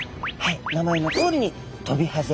名前のとおりにトビハゼ。